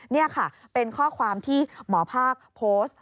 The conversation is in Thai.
นี่ค่ะเป็นข้อความที่หมอภาคโพสต์